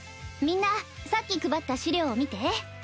みんなさっき配った資料を見て。